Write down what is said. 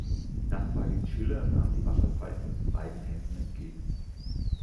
Nachbarin Schiller nahm die Wasserpfeife mit beiden Händen entgegen.